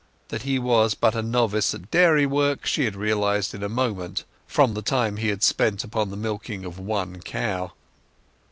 That he was but a novice at dairy work she had realized in a moment, from the time he had spent upon the milking of one cow.